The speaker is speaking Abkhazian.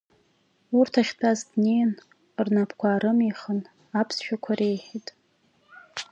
Урҭ ахьтәаз днеин, рнапқәа аарымихын, аԥсшәақәа реиҳәеит.